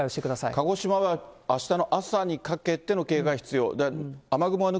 鹿児島はあしたの朝にかけての警戒必要。